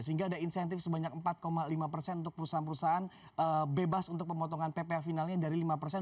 sehingga ada insentif sebanyak empat lima persen untuk perusahaan perusahaan bebas untuk pemotongan ppa finalnya dari lima persen